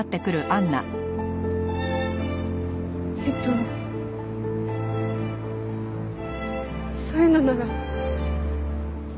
えっとそういうのならやめます。